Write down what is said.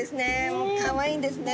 もうかわいいんですね。